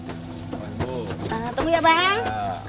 tunggu ya bang